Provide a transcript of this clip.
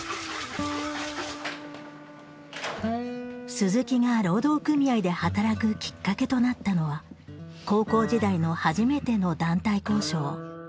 鈴木が労働組合で働くきっかけとなったのは高校時代の初めての団体交渉。